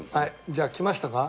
じゃあ来ましたか？